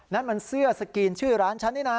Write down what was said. นั่นมันเสื้อสกรีนชื่อร้านฉันนี่นะ